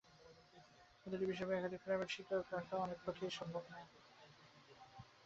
প্রতিটি বিষয়ের বা একাধিক প্রাইভেট শিক্ষক রাখা অনেকের পক্ষেই সম্ভব নয়।